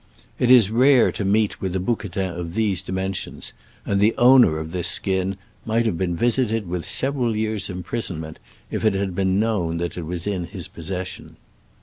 It is rare to meet with a bou quetin of these dimensions, and the owner of this skin might have been visited with several years' imprisonment if it had been known that it was in his possession.